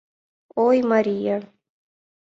Ой, Мария!